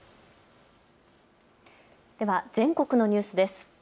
では全国のニュースです。